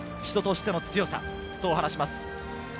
人としての強さ、そう話します。